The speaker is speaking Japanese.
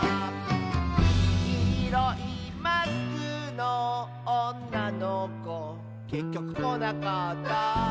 「きいろいマスクのおんなのこ」「けっきょくこなかった」